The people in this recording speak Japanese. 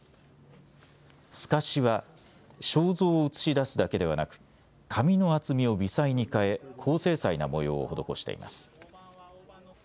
すかしは肖像を映し出すだけではなく紙の厚みを微細に変え高精細な模様を施しています。